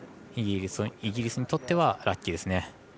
イギリスにとってはラッキーですね。